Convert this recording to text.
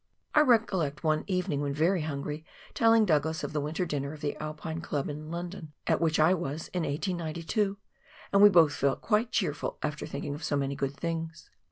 I recollect one evening, when very hungry, telling Douglas of the winter dinner of the Alpine Club in London, at which I was in 1892, and we both felt quite cheerful after thinking of so many good things.